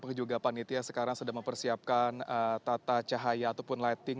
juga panitia sekarang sedang mempersiapkan tata cahaya ataupun lighting